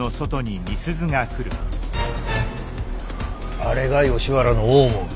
あれが吉原の大門。